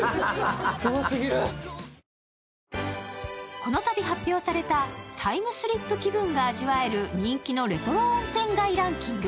このたび発表されたタイムスリップ気分が味わえる人気のレトロ温泉街ランキング。